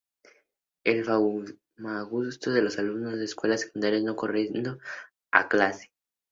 En Famagusta, los alumnos de las escuelas secundarias no concurrieron a clase.